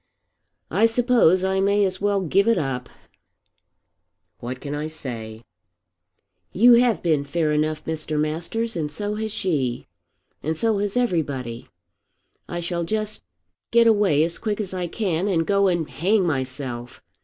"I suppose I may as well give it up." "What can I say?" "You have been fair enough, Mr. Masters. And so has she. And so has everybody. I shall just get away as quick as I can, and go and hang myself.